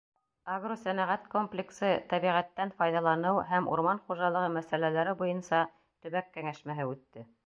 Агросәнәғәт комплексы, тәбиғәттән файҙаланыу һәм урман хужалығы мәсьәләләре буйынса төбәк кәңәшмәһе үтте